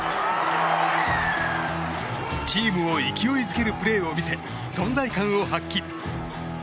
チームを勢いづけるプレーを見せ存在感を発揮。